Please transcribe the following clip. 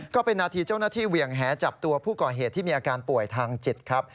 ก็เป็นนาทีเจ้าหน้าที่เวียงแหจับตัวผู้ก่อเหตุที่มีอาการป่วยทางจิตครับ